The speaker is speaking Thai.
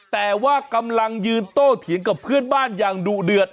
แต่ว่ากำลังยืนโต้เถียงกับเพื่อนบ้านอย่างดุเดือด